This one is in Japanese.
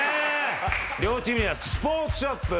両チームにはスポーツショップ